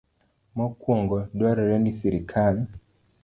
Mokwongo, dwarore ni sirkal